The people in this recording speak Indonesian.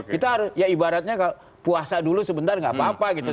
kita ya ibaratnya puasa dulu sebentar nggak apa apa gitu